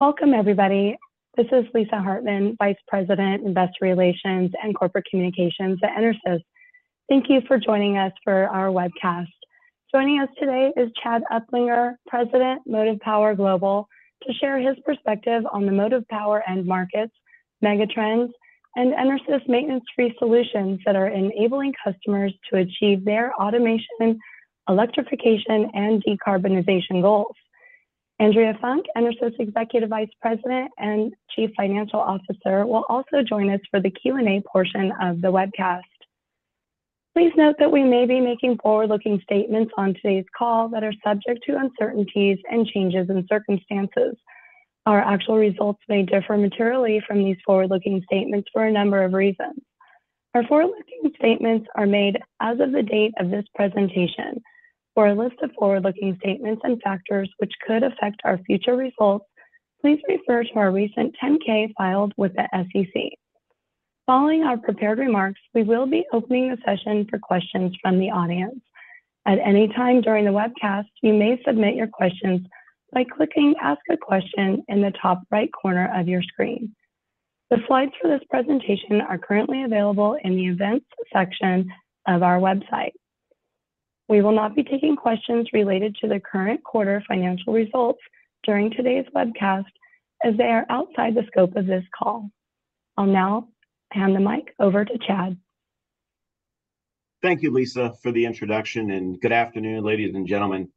Welcome, everybody. This is Lisa Hartman, Vice President, Investor Relations and Corporate Communications at EnerSys. Thank you for joining us for our webcast. Joining us today is Chad Uplinger, President, Motive Power Global, to share his perspective on the motive power end markets, mega trends, and EnerSys maintenance-free solutions that are enabling customers to achieve their automation, electrification, and decarbonization goals. Andrea Funk, EnerSys Executive Vice President and Chief Financial Officer, will also join us for the Q&A portion of the webcast. Please note that we may be making forward-looking statements on today's call that are subject to uncertainties and changes in circumstances. Our actual results may differ materially from these forward-looking statements for a number of reasons. Our forward-looking statements are made as of the date of this presentation. For a list of forward-looking statements and factors which could affect our future results, please refer to our recent 10-K filed with the SEC. Following our prepared remarks, we will be opening the session for questions from the audience. At any time during the webcast, you may submit your questions by clicking Ask a Question in the top right corner of your screen. The slides for this presentation are currently available in the Events section of our website. We will not be taking questions related to the current quarter financial results during today's webcast, as they are outside the scope of this call. I'll now hand the mic over to Chad. Thank you, Lisa, for the introduction, and good afternoon, ladies and gentlemen.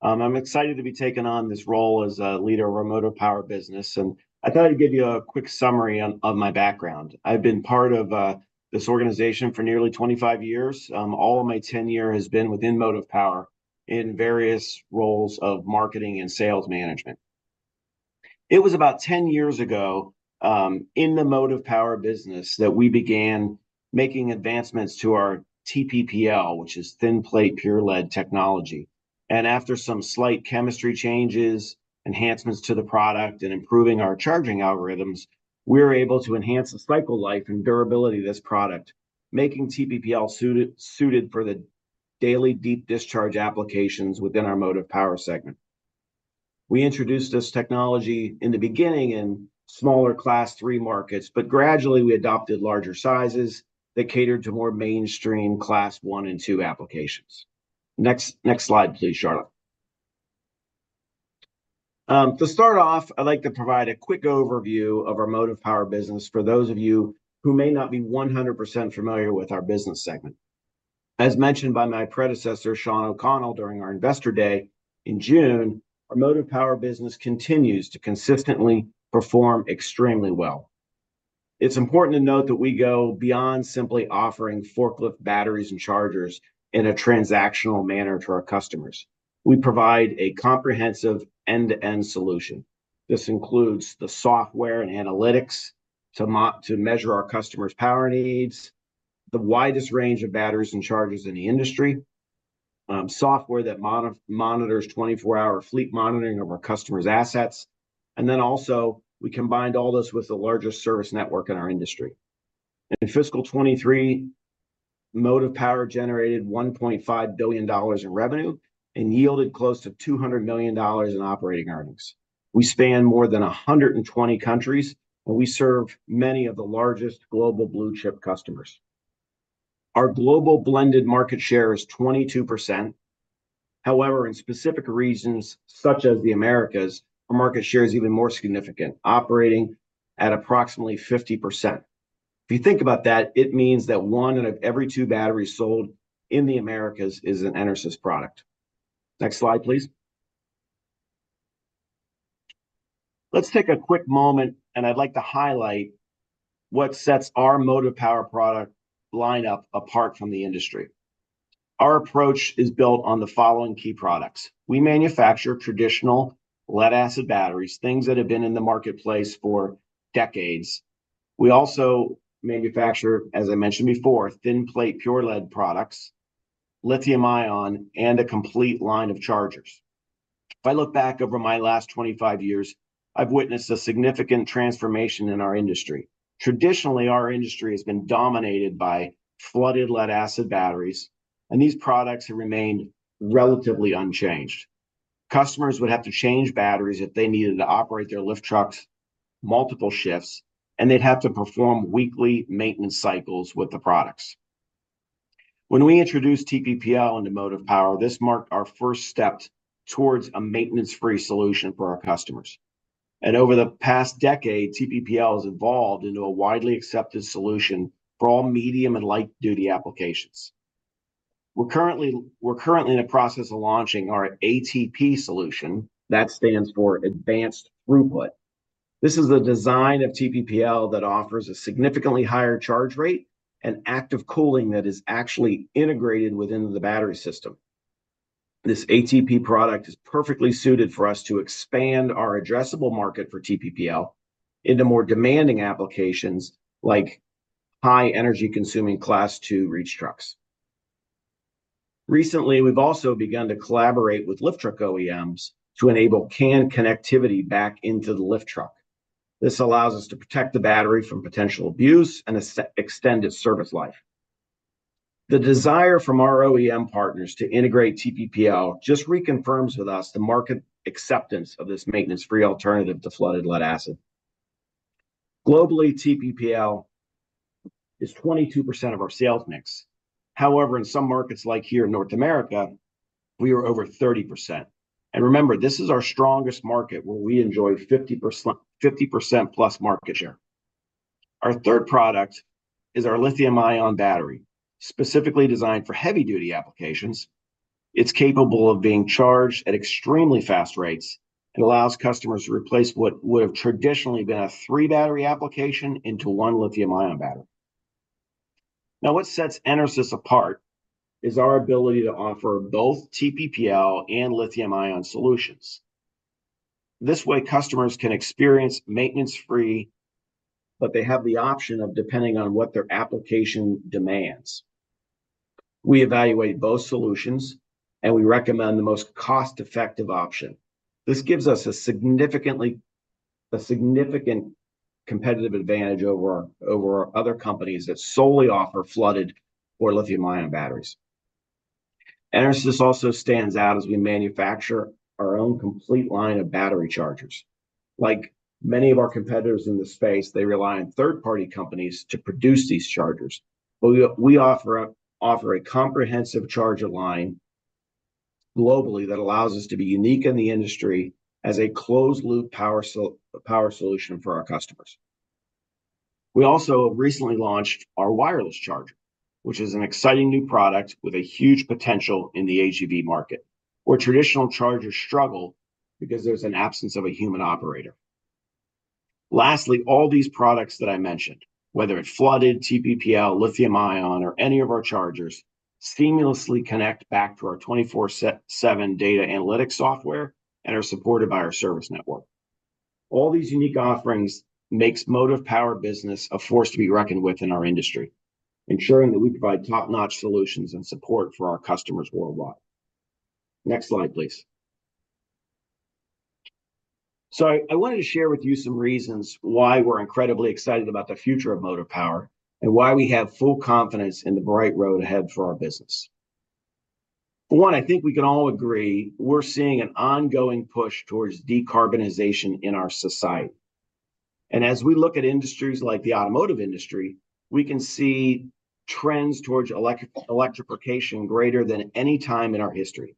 I'm excited to be taking on this role as a leader of our Motive Power business, and I thought I'd give you a quick summary on, of my background. I've been part of this organization for nearly 25 years. All of my tenure has been within Motive Power in various roles of marketing and sales management. It was about 10 years ago, in the Motive Power business, that we began making advancements to our TPPL, which is Thin Plate Pure Lead technology. And after some slight chemistry changes, enhancements to the product, and improving our charging algorithms, we were able to enhance the cycle life and durability of this product, making TPPL suited for the daily deep discharge applications within our Motive Power segment. We introduced this technology in the beginning in smaller Class Three markets, but gradually we adopted larger sizes that catered to more mainstream Class One and Two applications. Next slide please, Charlotte. To start off, I'd like to provide a quick overview of our Motive Power business for those of you who may not be 100% familiar with our business segment. As mentioned by my predecessor, Shawn O'Connell, during our Investor Day in June, our Motive Power business continues to consistently perform extremely well. It's important to note that we go beyond simply offering forklift batteries and chargers in a transactional manner to our customers. We provide a comprehensive end-to-end solution. This includes the software and analytics to measure our customers' power needs, the widest range of batteries and chargers in the industry, software that monitors 24-hour fleet monitoring of our customers' assets, and then also we combined all this with the largest service network in our industry. In fiscal 2023, Motive Power generated $1.5 billion in revenue and yielded close to $200 million in operating earnings. We span more than 120 countries, and we serve many of the largest global blue-chip customers. Our global blended market share is 22%. However, in specific regions, such as the Americas, our market share is even more significant, operating at approximately 50%. If you think about that, it means that one out of every two batteries sold in the Americas is an EnerSys product. Next slide, please. Let's take a quick moment, and I'd like to highlight what sets our Motive Power product lineup apart from the industry. Our approach is built on the following key products. We manufacture traditional lead-acid batteries, things that have been in the marketplace for decades. We also manufacture, as I mentioned before, Thin Plate Pure Lead products, lithium-ion, and a complete line of chargers. If I look back over my last 25 years, I've witnessed a significant transformation in our industry. Traditionally, our industry has been dominated by flooded lead-acid batteries, and these products have remained relatively unchanged. Customers would have to change batteries if they needed to operate their lift trucks multiple shifts, and they'd have to perform weekly maintenance cycles with the products. When we introduced TPPL into Motive Power, this marked our first step towards a maintenance-free solution for our customers. Over the past decade, TPPL has evolved into a widely accepted solution for all medium and light-duty applications. We're currently in the process of launching our ATP solution. That stands for Advanced Throughput. This is a design of TPPL that offers a significantly higher charge rate and active cooling that is actually integrated within the battery system. This ATP product is perfectly suited for us to expand our addressable market for TPPL into more demanding applications, like high energy-consuming Class 2 reach trucks. Recently, we've also begun to collaborate with lift truck OEMs to enable CAN connectivity back into the lift truck. This allows us to protect the battery from potential abuse and extend its service life. The desire from our OEM partners to integrate TPPL just reconfirms with us the market acceptance of this maintenance-free alternative to flooded lead-acid. Globally, TPPL is 22% of our sales mix. However, in some markets, like here in North America, we are over 30%. Remember, this is our strongest market, where we enjoy 50%+ market share. Our third product is our lithium-ion battery, specifically designed for heavy-duty applications. It's capable of being charged at extremely fast rates and allows customers to replace what would have traditionally been a three-battery application into one lithium-ion battery. Now, what sets EnerSys apart is our ability to offer both TPPL and lithium-ion solutions. This way, customers can experience maintenance-free, but they have the option of depending on what their application demands. We evaluate both solutions, and we recommend the most cost-effective option. This gives us a significant competitive advantage over other companies that solely offer flooded or lithium-ion batteries. EnerSys also stands out as we manufacture our own complete line of battery chargers. Like many of our competitors in this space, they rely on third-party companies to produce these chargers, but we offer a comprehensive charger line globally that allows us to be unique in the industry as a closed-loop power solution for our customers. We also recently launched our wireless charger, which is an exciting new product with a huge potential in the AGV market, where traditional chargers struggle because there's an absence of a human operator. Lastly, all these products that I mentioned, whether it's flooded, TPPL, lithium-ion, or any of our chargers, seamlessly connect back to our 24/7 data analytics software and are supported by our service network. All these unique offerings makes motive power business a force to be reckoned with in our industry, ensuring that we provide top-notch solutions and support for our customers worldwide. Next slide, please. I wanted to share with you some reasons why we're incredibly excited about the future of motive power and why we have full confidence in the bright road ahead for our business. One, I think we can all agree, we're seeing an ongoing push towards decarbonization in our society. As we look at industries like the automotive industry, we can see trends towards electri- electrification greater than any time in our history.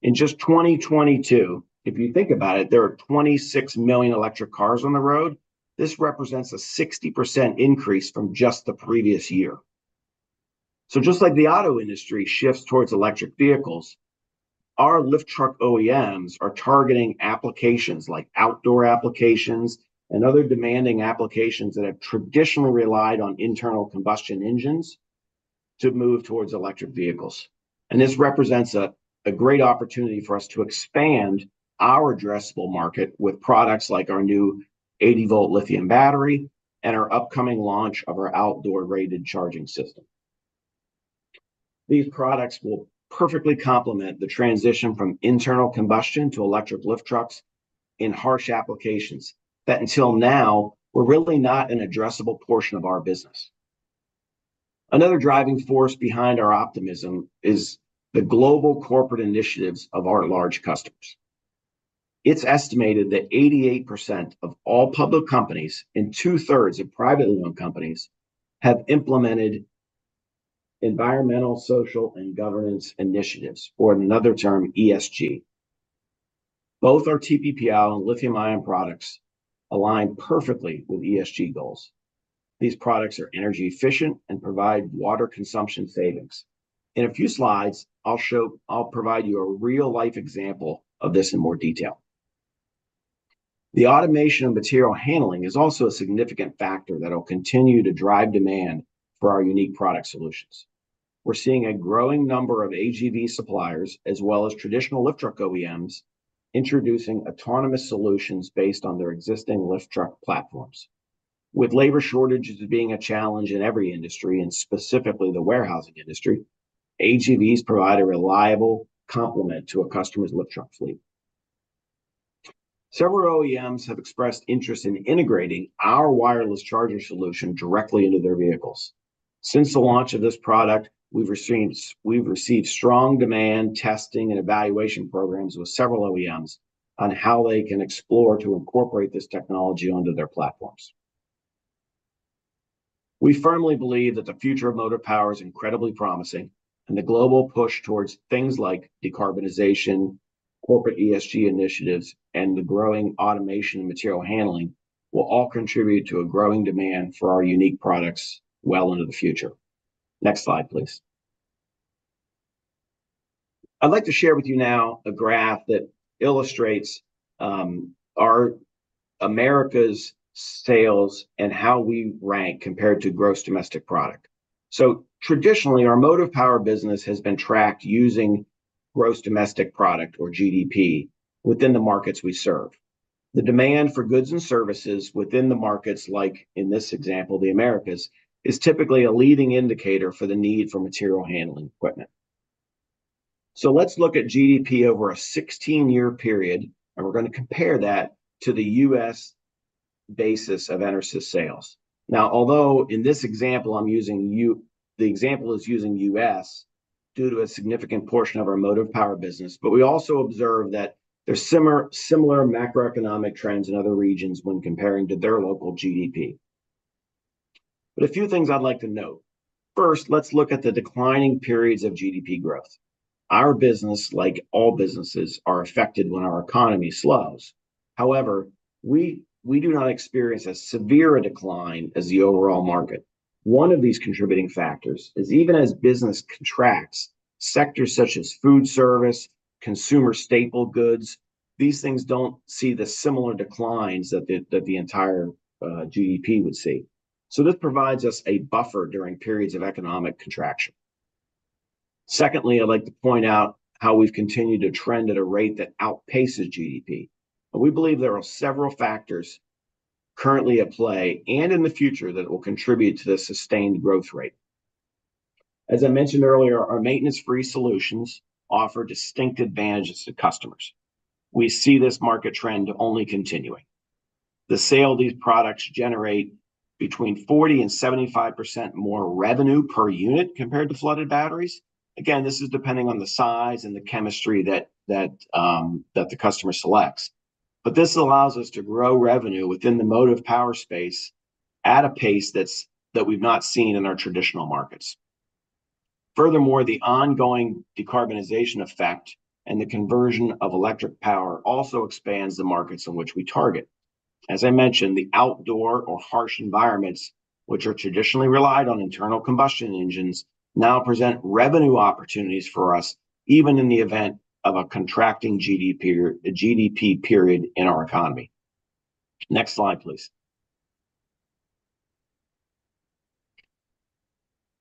In just 2022, if you think about it, there are 26 million electric cars on the road. This represents a 60% increase from just the previous year. So just like the auto industry shifts towards electric vehicles, our lift truck OEMs are targeting applications like outdoor applications and other demanding applications that have traditionally relied on internal combustion engines to move towards electric vehicles. And this represents a great opportunity for us to expand our addressable market with products like our new 80-volt lithium battery and our upcoming launch of our outdoor-rated charging system. These products will perfectly complement the transition from internal combustion to electric lift trucks in harsh applications that, until now, were really not an addressable portion of our business. Another driving force behind our optimism is the global corporate initiatives of our large customers. It's estimated that 88% of all public companies and 2/3 of privately owned companies have implemented environmental, social, and governance initiatives, or in another term, ESG. Both our TPPL and lithium-ion products align perfectly with ESG goals. These products are energy efficient and provide water consumption savings. In a few slides, I'll provide you a real-life example of this in more detail. The automation of material handling is also a significant factor that will continue to drive demand for our unique product solutions. We're seeing a growing number of AGV suppliers, as well as traditional lift truck OEMs, introducing autonomous solutions based on their existing lift truck platforms. With labor shortages being a challenge in every industry, and specifically the warehousing industry, AGVs provide a reliable complement to a customer's lift truck fleet. Several OEMs have expressed interest in integrating our wireless charging solution directly into their vehicles. Since the launch of this product, we've received strong demand, testing, and evaluation programs with several OEMs on how they can explore to incorporate this technology onto their platforms. We firmly believe that the future of motive power is incredibly promising, and the global push towards things like decarbonization, corporate ESG initiatives, and the growing automation in material handling will all contribute to a growing demand for our unique products well into the future. Next slide, please. I'd like to share with you now a graph that illustrates our Americas sales and how we rank compared to gross domestic product. So traditionally, our motive power business has been tracked using gross domestic product, or GDP, within the markets we serve. The demand for goods and services within the markets, like in this example, the Americas, is typically a leading indicator for the need for material handling equipment. So let's look at GDP over a 16-year period, and we're gonna compare that to the U.S. basis of EnerSys sales. Now, although in this example, the example is using U.S. due to a significant portion of our motive power business, but we also observe that there's similar, similar macroeconomic trends in other regions when comparing to their local GDP. But a few things I'd like to note. First, let's look at the declining periods of GDP growth. Our business, like all businesses, are affected when our economy slows. However, we do not experience as severe a decline as the overall market. One of these contributing factors is, even as business contracts, sectors such as food service, consumer staple goods, these things don't see the similar declines that the, that the entire GDP would see. So this provides us a buffer during periods of economic contraction. Secondly, I'd like to point out how we've continued to trend at a rate that outpaces GDP. We believe there are several factors currently at play and in the future that will contribute to the sustained growth rate. As I mentioned earlier, our maintenance-free solutions offer distinct advantages to customers. We see this market trend only continuing. The sale of these products generate between 40% and 75% more revenue per unit compared to flooded batteries. Again, this is depending on the size and the chemistry that the customer selects. But this allows us to grow revenue within the motive power space at a pace that we've not seen in our traditional markets. Furthermore, the ongoing decarbonization effect and the conversion of electric power also expands the markets in which we target. As I mentioned, the outdoor or harsh environments, which are traditionally relied on internal combustion engines, now present revenue opportunities for us, even in the event of a contracting GDP period in our economy. Next slide, please.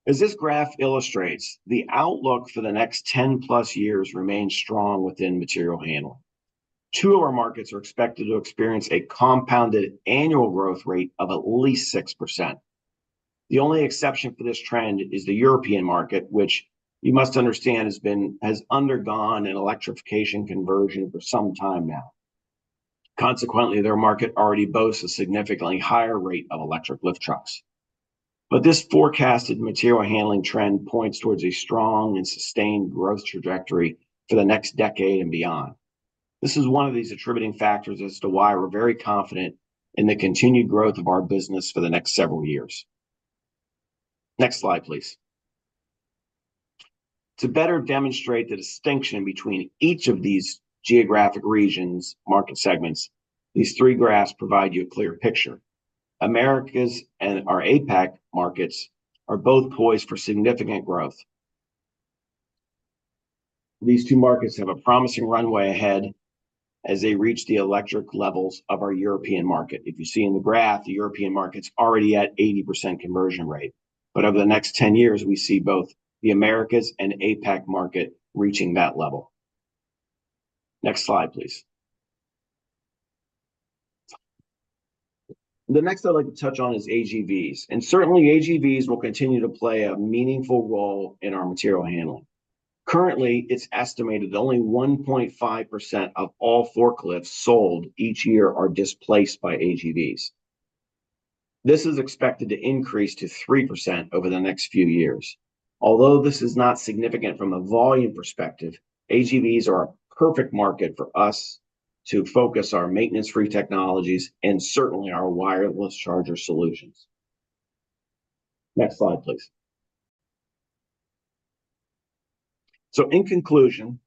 As this graph illustrates, the outlook for the next 10+ years remains strong within material handling. Two of our markets are expected to experience a compounded annual growth rate of at least 6%. The only exception for this trend is the European market, which you must understand, has undergone an electrification conversion for some time now. Consequently, their market already boasts a significantly higher rate of electric lift trucks. But this forecasted material handling trend points towards a strong and sustained growth trajectory for the next decade and beyond. This is one of these attributing factors as to why we're very confident in the continued growth of our business for the next several years. Next slide, please. To better demonstrate the distinction between each of these geographic regions, market segments, these three graphs provide you a clear picture. Americas and our APAC markets are both poised for significant growth. These two markets have a promising runway ahead as they reach the electric levels of our European market. If you see in the graph, the European market's already at 80% conversion rate, but over the next 10 years, we see both the Americas and APAC market reaching that level. Next slide, please. The next I'd like to touch on is AGVs, and certainly, AGVs will continue to play a meaningful role in our material handling. Currently, it's estimated only 1.5% of all forklifts sold each year are displaced by AGVs. This is expected to increase to 3% over the next few years. Although this is not significant from a volume perspective, AGVs are a perfect market for us to focus our maintenance-free technologies and certainly our wireless charger solutions. Next slide, please. So in conclusion,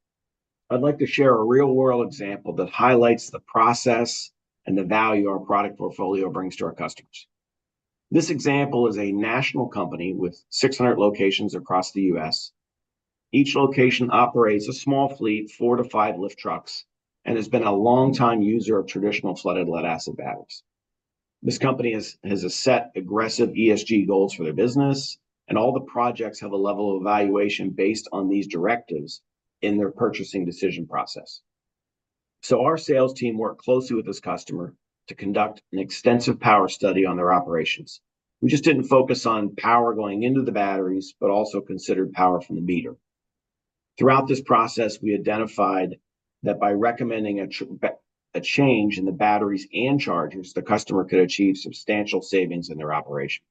I'd like to share a real-world example that highlights the process and the value our product portfolio brings to our customers. This example is a national company with 600 locations across the U.S. Each location operates a small fleet, four to five lift trucks, and has been a long-time user of traditional flooded lead-acid batteries. This company has set aggressive ESG goals for their business, and all the projects have a level of evaluation based on these directives in their purchasing decision process. So our sales team worked closely with this customer to conduct an extensive power study on their operations. We just didn't focus on power going into the batteries, but also considered power from the meter. Throughout this process, we identified that by recommending a change in the batteries and chargers, the customer could achieve substantial savings in their operation.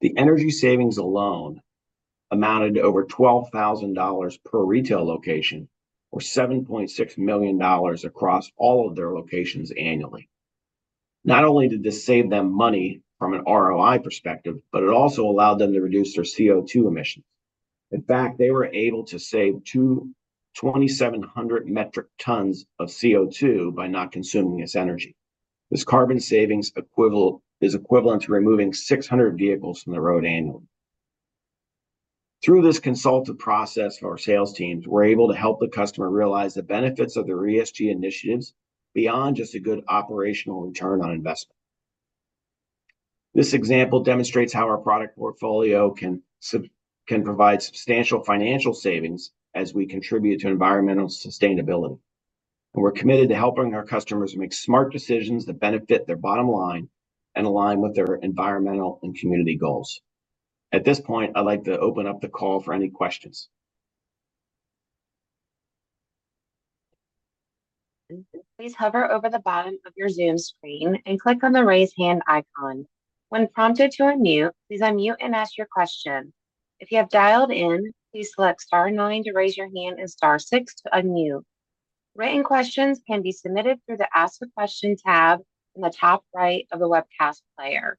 The energy savings alone amounted to over $12,000 per retail location, or $7.6 million across all of their locations annually. Not only did this save them money from an ROI perspective, but it also allowed them to reduce their CO2 emissions. In fact, they were able to save 2,700 metric tons of CO2 by not consuming this energy. This carbon savings equivalent is equivalent to removing 600 vehicles from the road annually. Through this consultative process, our sales teams were able to help the customer realize the benefits of their ESG initiatives beyond just a good operational return on investment. This example demonstrates how our product portfolio can provide substantial financial savings as we contribute to environmental sustainability. We're committed to helping our customers make smart decisions that benefit their bottom line and align with their environmental and community goals. At this point, I'd like to open up the call for any questions. Please hover over the bottom of your Zoom screen and click on the Raise Hand icon. When prompted to unmute, please unmute and ask your question. If you have dialed in, please select star nine to raise your hand and star six to unmute. Written questions can be submitted through the Ask a Question tab in the top right of the webcast player.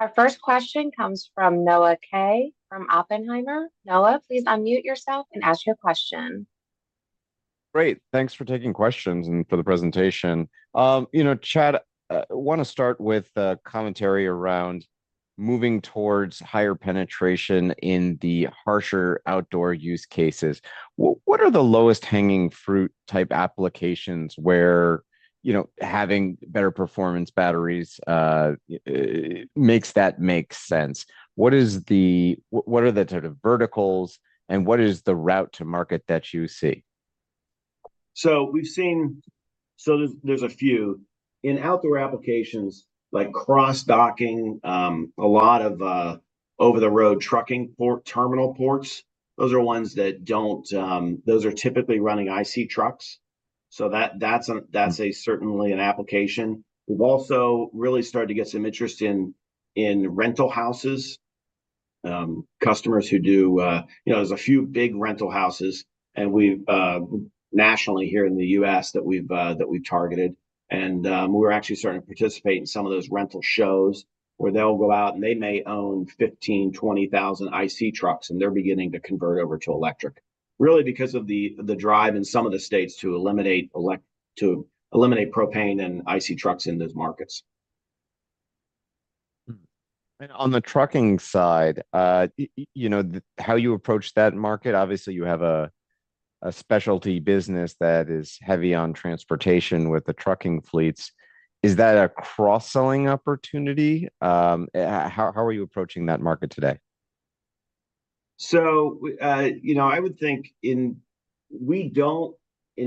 Our first question comes from Noah Kaye from Oppenheimer. Noah, please unmute yourself and ask your question. Great. Thanks for taking questions and for the presentation. You know, Chad, I wanna start with a commentary around moving towards higher penetration in the harsher outdoor use cases. What are the lowest hanging fruit type applications where, you know, having better performance batteries makes that make sense? What are the sort of verticals, and what is the route to market that you see? So there's a few. In outdoor applications, like cross-docking, a lot of over-the-road trucking, ports, terminal ports, those are ones that don't. Those are typically running IC trucks, so that's certainly an application. We've also really started to get some interest in rental houses. Customers who do. You know, there's a few big rental houses, and we've targeted nationally here in the U.S. We're actually starting to participate in some of those rental shows, where they'll go out, and they may own 15,000 to 20,000 IC trucks, and they're beginning to convert over to electric, really because of the drive in some of the states to eliminate propane and IC trucks in those markets. On the trucking side, you know, how you approach that market, obviously, you have a specialty business that is heavy on transportation with the trucking fleets. Is that a cross-selling opportunity? How are you approaching that market today? I would think in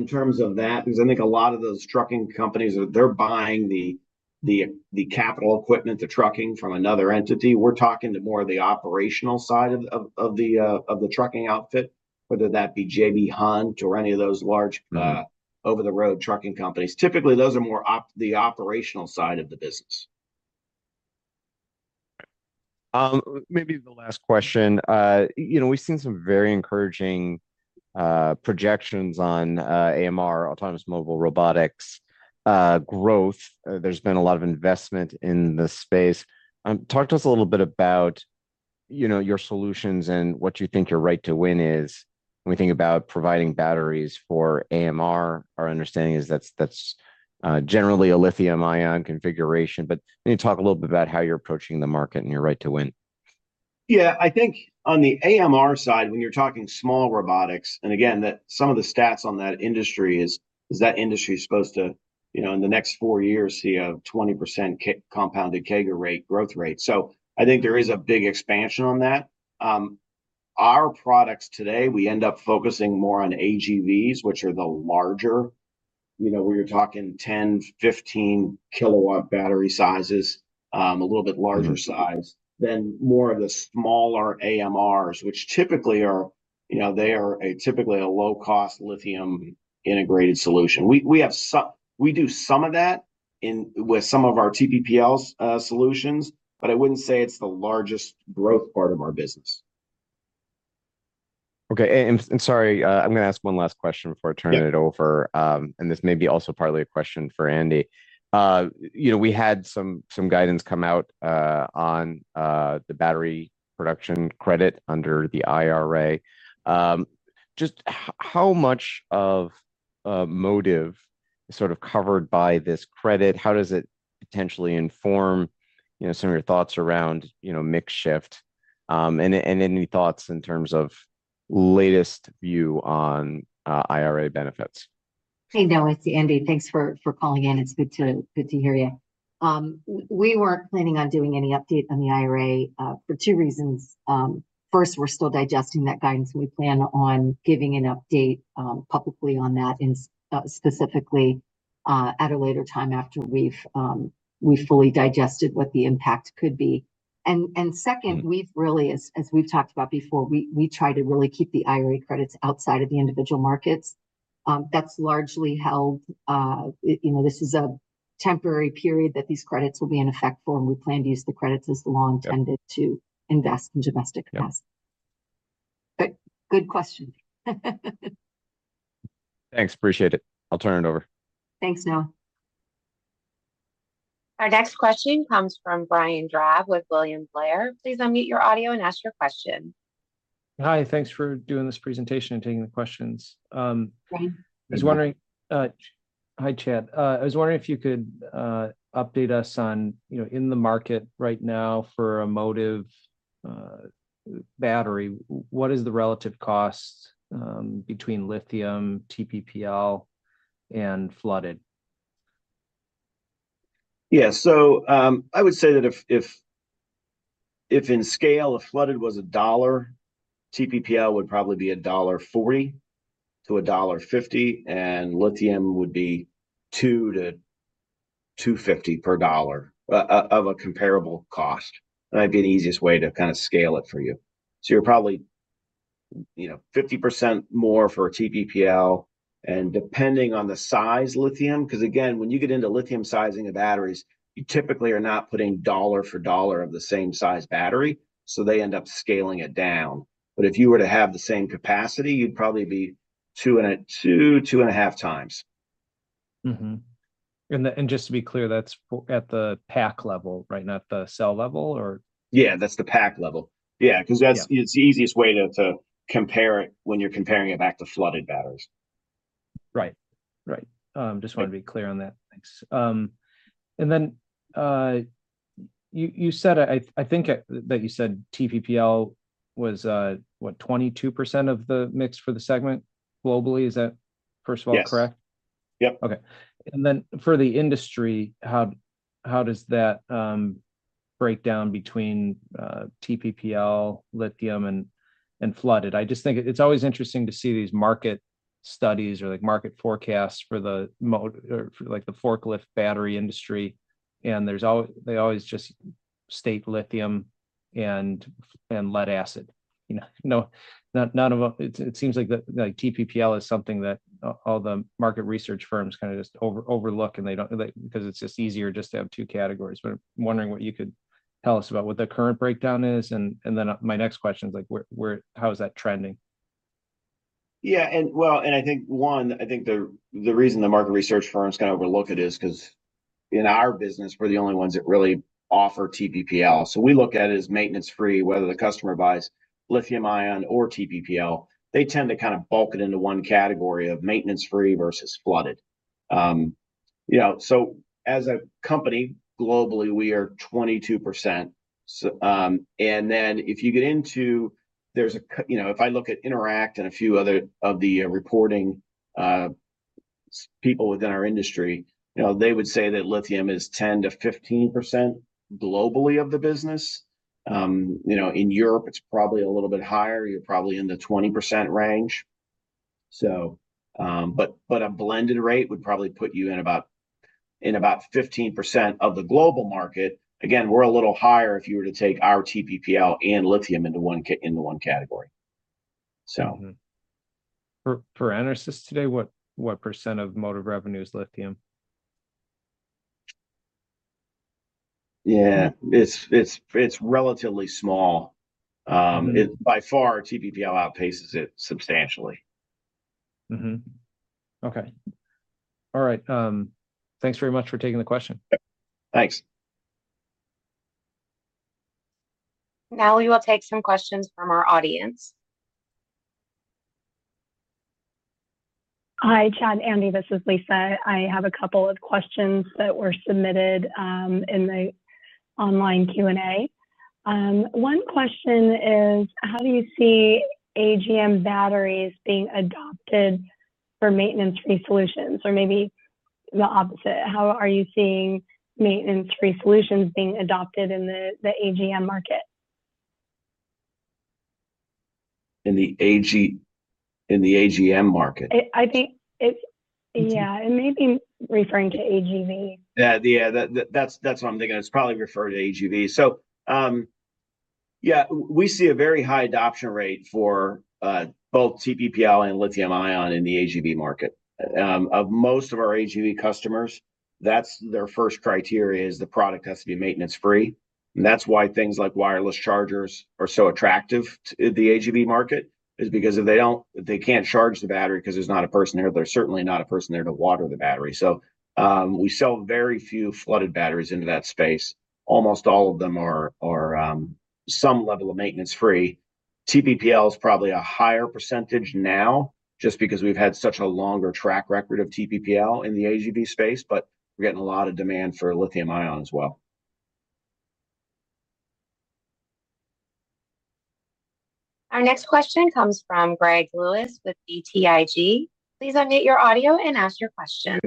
terms of that, we don't, because I think a lot of those trucking companies, they're buying the capital equipment, the trucking from another entity. We're talking to more of the operational side of the trucking outfit, whether that be J.B. Hunt or any of those large over-the-road trucking companies. Typically, those are more the operational side of the business. Maybe the last question. You know, we've seen some very encouraging projections on AMR, autonomous mobile robotics, growth. There's been a lot of investment in the space. Talk to us a little bit about, you know, your solutions and what you think your right to win is, when we think about providing batteries for AMR, our understanding is that's generally a lithium-ion configuration. Can you talk a little bit about how you're approaching the market and your right to win? Yeah, I think on the AMR side, when you're talking small robotics, and again, that some of the stats on that industry is that industry is supposed to, you know, in the next four years, see a 20% compounded CAGR rate, growth rate. So I think there is a big expansion on that. Our products today, we end up focusing more on AGVs, which are the larger, you know, where you're talking 10 to 15 kW battery sizes, a little bit larger size than more of the smaller AMRs, which typically are, you know, they are typically a low-cost lithium integrated solution. We do some of that with some of our TPPL solutions, but I wouldn't say it's the largest growth part of our business. Okay, and sorry, I'm gonna ask one last question before I turn it over. Yeah. This may be also partly a question for Andi. You know, we had some, some guidance come out on the battery production credit under the IRA. Just how much of motive is sort of covered by this credit? How does it potentially inform, you know, some of your thoughts around, you know, mix shift? And any thoughts in terms of latest view on IRA benefits? Hey, Noah, it's Andi. Thanks for calling in. It's good to hear you. We weren't planning on doing any update on the IRA for two reasons. First, we're still digesting that guidance, and we plan on giving an update publicly on that and specifically at a later time after we've fully digested what the impact could be. And second we've really as we've talked about before, we try to really keep the IRA credits outside of the individual markets. That's largely held, you know, this is a temporary period that these credits will be in effect for and we plan to use the credits as law intended to invest in domestic capacity. Yeah. Good question. Thanks, appreciate it. I'll turn it over. Thanks, Noah. Our next question comes from Brian Drab with William Blair. Please unmute your audio and ask your question. Hi, thanks for doing this presentation and taking the questions. Thanks. I was wondering, Hi, Chad. I was wondering if you could update us on, you know, in the market right now for a motive battery, what is the relative cost between lithium, TPPL, and flooded? Yeah, so, I would say that if in scale, if flooded was a dollar, TPPL would probably be $1.30 to $1.50, and lithium would be $2 to $2.50 per dollar of a comparable cost. That'd be the easiest way to kind of scale it for you. So you're probably, you know, 50% more for TPPL, and depending on the size, lithium. Because again, when you get into lithium sizing of batteries, you typically are not putting dollar for dollar of the same size battery, so they end up scaling it down. But if you were to have the same capacity, you'd probably be 2.5x. Just to be clear, that's at the pack level, right? Not the cell level or? Yeah, that's the pack level. Yeah. Yeah. Because it's the easiest way to compare it when you're comparing it back to flooded batteries. Right. Just wanted to be clear on that. Thanks. And then, you said, I think that you said TPPL was what? 22% of the mix for the segment globally. Is that, first of all, correct? Yes. Yep. And then for the industry, how does that break down between TPPL, lithium, and flooded? I just think it's always interesting to see these market studies or, like, market forecasts for, like, the forklift battery industry, and they always just state lithium and lead acid, you know? No, not a lot it seems like the TPPL is something that all the market research firms kind of just overlook, and they don't because it's just easier just to have two categories. But I'm wondering what you could tell us about what the current breakdown is, and then my next question is, how is that trending? Yeah, I think the reason the market research firms kind of overlook it is because in our business, we're the only ones that really offer TPPL. So we look at it as maintenance-free, whether the customer buys lithium-ion or TPPL. They tend to kind of bulk it into one category of maintenance-free versus flooded. You know, so as a company, globally, we are 22%. So, and then if I look at Interact and a few other of the reporting people within our industry, you know, they would say that lithium-ion is 10% to 15% globally of the business. You know, in Europe, it's probably a little bit higher. You're probably in the 20% range. But a blended rate would probably put you in about 15% of the global market. Again, we're a little higher if you were to take our TPPL and lithium into one category. For EnerSys today, what percent of motive revenue is lithium? Yeah, it's relatively small by far, TPPL outpaces it substantially. Okay. All right, thanks very much for taking the question. Yep. Thanks. Now we will take some questions from our audience. Hi, Chad, Andi, this is Lisa. I have a couple of questions that were submitted in the online Q&A. One question is: How do you see AGM batteries being adopted for maintenance-free solutions? Or maybe the opposite, how are you seeing maintenance-free solutions being adopted in the AGM market? In the AGM market? I think it. Yeah, it may be referring to AGV. Yeah, that's what I'm thinking. It's probably referring to AGV. So, yeah, we see a very high adoption rate for both TPPL and lithium-ion in the AGV market. Of most of our AGV customers, that's their first criteria is the product has to be maintenance free, and that's why things like wireless chargers are so attractive to the AGV market, is because if they don't, they can't charge the battery because there's not a person there. There's certainly not a person there to water the battery. So, we sell very few flooded batteries into that space. Almost all of them are some level of maintenance free. TPPL is probably a higher percentage now, just because we've had such a longer track record of TPPL in the AGV space, but we're getting a lot of demand for lithium-ion as well. Our next question comes from Greg Lewis with BTIG. Please unmute your audio and ask your question.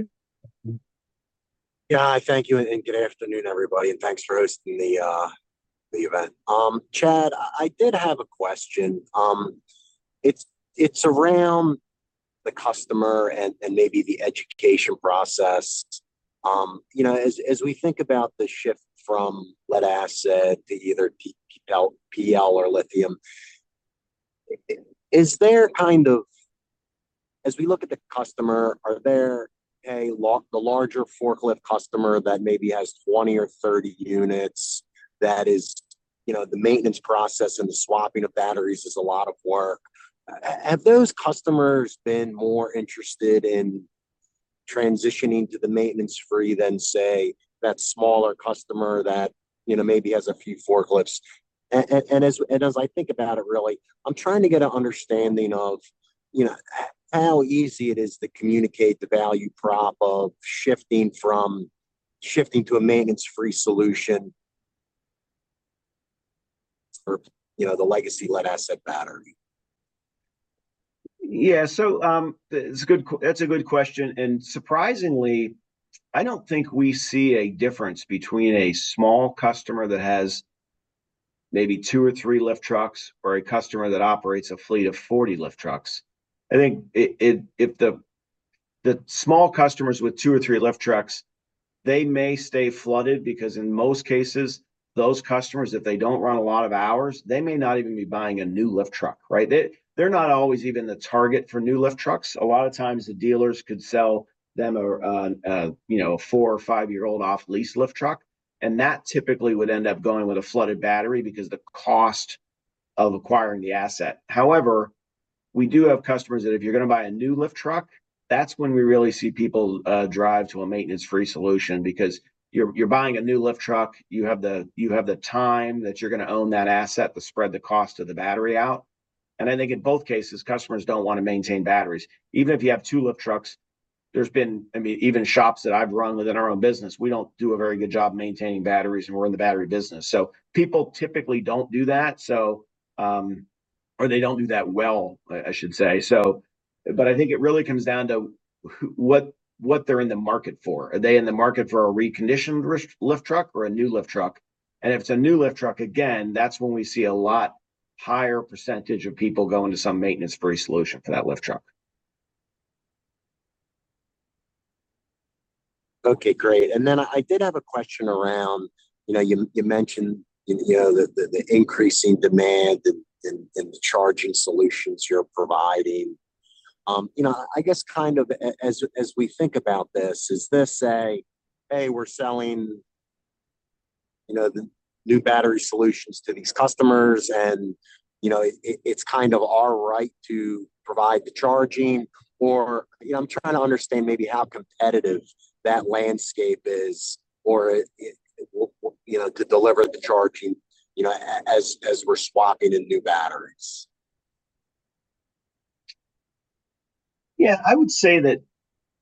Yeah, thank you, and good afternoon, everybody, and thanks for hosting the event. Chad, I did have a question. It's, it's around the customer and, and maybe the education process. You know, as, as we think about the shift from lead acid to either TPPL, PL, or lithium, as we look at the customer, are there the larger forklift customer that maybe has 20 or 30 units, that is, you know, the maintenance process and the swapping of batteries is a lot of work. Have those customers been more interested in transitioning to the maintenance free than, say, that smaller customer that, you know, maybe has a few forklifts? As I think about it, really, I'm trying to get an understanding of, you know, how easy it is to communicate the value prop of shifting from shifting to a maintenance-free solution for, you know, the legacy lead-acid battery? Yeah, so, that's a good question, and surprisingly, I don't think we see a difference between a small customer that has maybe two or three lift trucks, or a customer that operates a fleet of 40 lift trucks. I think if the small customers with two or three lift trucks, they may stay flooded because in most cases, those customers, if they don't run a lot of hours, they may not even be buying a new lift truck, right? They, they're not always even the target for new lift trucks. A lot of times the dealers could sell them a, you know, four or five-year-old off-lease lift truck, and that typically would end up going with a flooded battery because the cost of acquiring the asset. However, we do have customers that if you're gonna buy a new lift truck, that's when we really see people drive to a maintenance-free solution. Because you're buying a new lift truck, you have the time that you're gonna own that asset to spread the cost of the battery out. And I think in both cases, customers don't wanna maintain batteries. Even if you have two lift trucks, there's been even shops that I've run within our own business, we don't do a very good job maintaining batteries, and we're in the battery business. So people typically don't do that, so, or they don't do that well, I should say. So but I think it really comes down to what they're in the market for. Are they in the market for a reconditioned reach lift truck or a new lift truck? And if it's a new lift truck, again, that's when we see a lot higher percentage of people going to some maintenance-free solution for that lift truck. Okay, great. And then I did have a question around, you know, you mentioned, you know, the increasing demand and the charging solutions you're providing. You know, I guess kind of as we think about this, is this say, "Hey, we're selling, you know, the new battery solutions to these customers, and, you know, it, it's kind of our right to provide the charging?" Or, you know, I'm trying to understand maybe how competitive that landscape is, or, you know, to deliver the charging, you know, as we're swapping in new batteries. Yeah, I would say that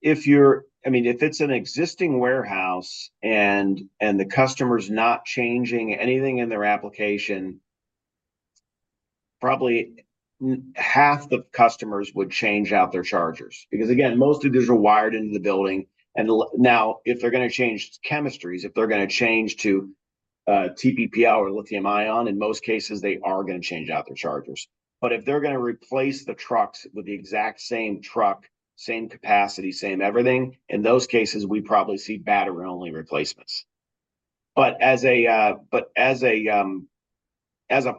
if it's an existing warehouse and the customer's not changing anything in their application, probably half the customers would change out their chargers. Because, again, most of these are wired into the building. And now, if they're gonna change chemistries, if they're gonna change to TPPL or lithium-ion, in most cases, they are gonna change out their chargers. But if they're gonna replace the trucks with the exact same truck, same capacity, same everything, in those cases, we probably see battery-only replacements. But as a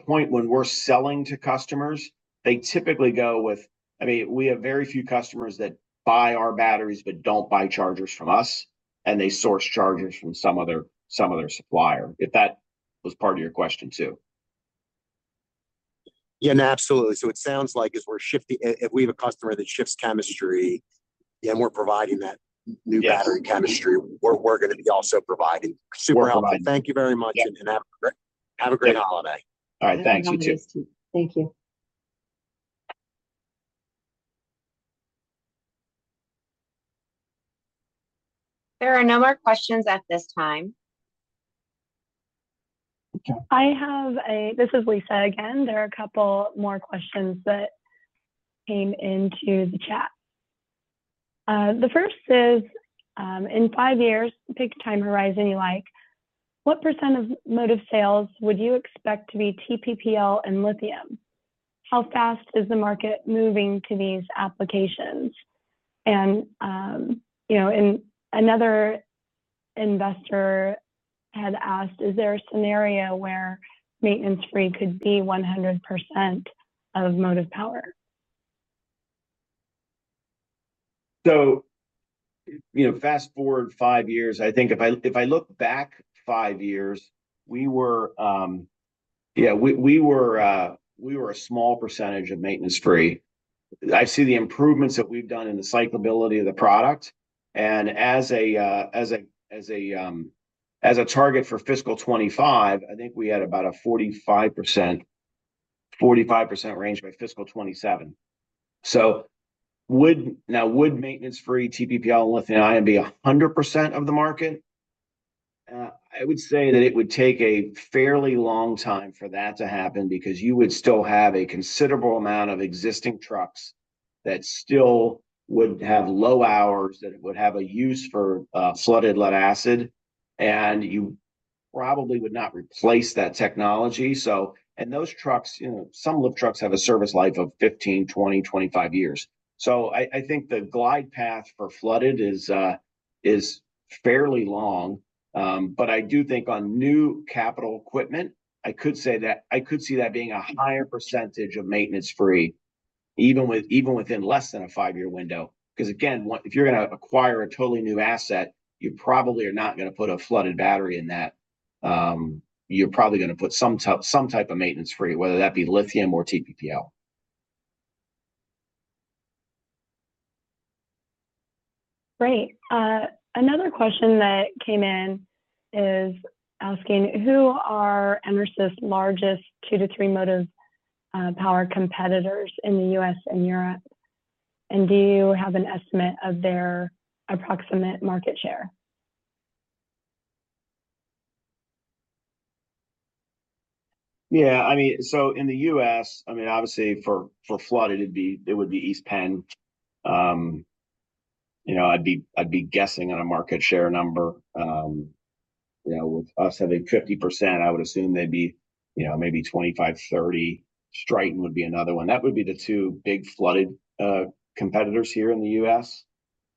point when we're selling to customers, they typically go with. We have very few customers that buy our batteries but don't buy chargers from us, and they source chargers from some other supplier, if that was part of your question, too. Yeah, absolutely. So it sounds like if we have a customer that shifts chemistry, yeah, we're providing that new- Yes... battery chemistry, we're gonna be also providing. We're providing. Super helpful. Thank you very much. Yeah. Have a great holiday. All right. Thanks, you too. Happy holidays to you. Thank you. There are no more questions at this time. Okay. This is Lisa again. There are a couple more questions that came into the chat. The first is: In five years, pick a time horizon you like, what percent of motive sales would you expect to be TPPL and lithium? How fast is the market moving to these applications? And, you know, and another investor had asked, is there a scenario where maintenance-free could be 100% of motive power? So, you know, fast-forward five years, I think if I look back five years, we were... Yeah, we were a small percentage of maintenance-free. I see the improvements that we've done in the cyclability of the product, and as a target for fiscal 2025, I think we had about a 45% range by fiscal 2027. So, would maintenance-free TPPL and lithium-ion be 100% of the market? I would say that it would take a fairly long time for that to happen, because you would still have a considerable amount of existing trucks that still would have low hours, that it would have a use for flooded lead-acid, and you probably would not replace that technology. So, those trucks, you know, some lift trucks have a service life of 15, 20, 25 years. So I think the glide path for flooded is fairly long. But I do think on new capital equipment, I could say that I could see that being a higher percentage of maintenance-free, even with, even within less than a five-year window. Because, again, one, if you're gonna acquire a totally new asset, you probably are not gonna put a flooded battery in that. You're probably gonna put some type, some type of maintenance-free, whether that be lithium or TPPL. Great. Another question that came in is asking: Who are EnerSys' largest two to three motive power competitors in the U.S. and Europe? And do you have an estimate of their approximate market share? Yeah, I mean, so in the U.S., I mean, obviously, for flooded, it would be East Penn. You know, I'd be guessing on a market share number. You know, with us having 50%, I would assume they'd be, you know, maybe 25% to 30%. Stryten would be another one. That would be the two big flooded competitors here in the U.S.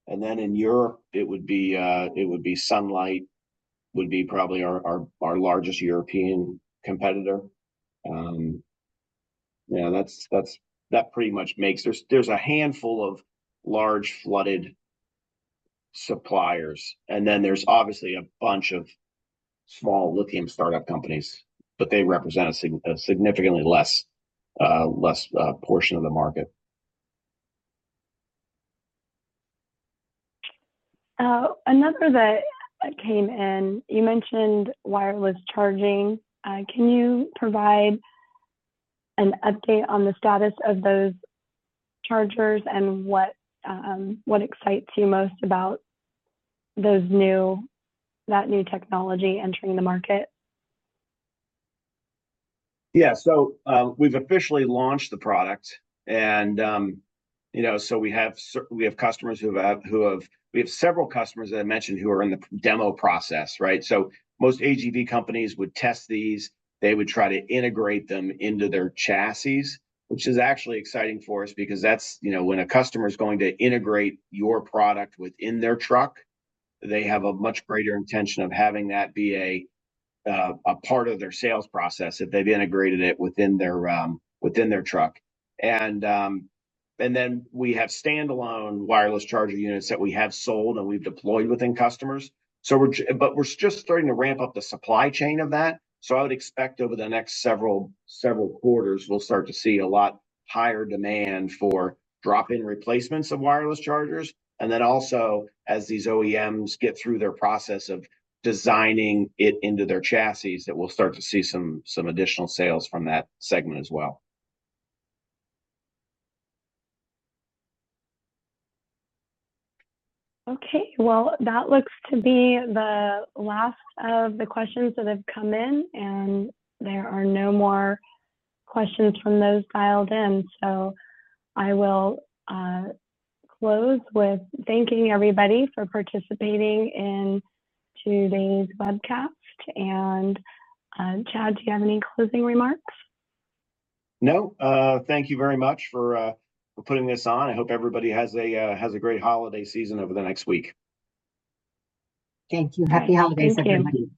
And then in Europe, it would be Sunlight, would be probably our largest European competitor. Yeah, that's pretty much makes. There's a handful of large flooded suppliers, and then there's obviously a bunch of small lithium startup companies, but they represent a significantly less portion of the market. Another that came in, you mentioned wireless charging. Can you provide an update on the status of those chargers and what excites you most about that new technology entering the market? Yeah. So, we've officially launched the product, and, you know, so we have several customers that I mentioned who are in the demo process, right? So most AGV companies would test these. They would try to integrate them into their chassis, which is actually exciting for us because that's, you know, when a customer is going to integrate your product within their truck, they have a much greater intention of having that be a part of their sales process, if they've integrated it within their, within their truck. And, and then we have standalone wireless charging units that we have sold and we've deployed within customers. So but we're just starting to ramp up the supply chain of that. I would expect over the next several, several quarters, we'll start to see a lot higher demand for drop-in replacements of wireless chargers. Then also, as these OEMs get through their process of designing it into their chassis, that we'll start to see some, some additional sales from that segment as well. Okay. Well, that looks to be the last of the questions that have come in, and there are no more questions from those dialed in. So I will close with thanking everybody for participating in today's webcast. And, Chad, do you have any closing remarks? No. Thank you very much for putting this on. I hope everybody has a great holiday season over the next week. Thank you. Happy holidays, everybody.